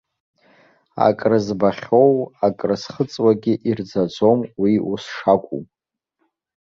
Акры збахьоу, акры зхыҵуагьы ирӡаӡом уи ус шакәу.